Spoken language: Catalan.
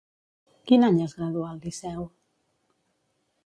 Quin any es graduà al Liceu?